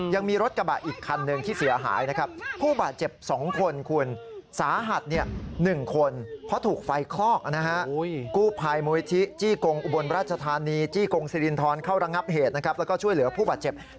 ยังมีรถกระบะอีกคันหนึ่งที่เสียหายนะครับ